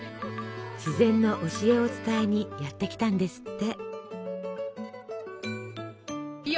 自然の教えを伝えにやって来たんですって！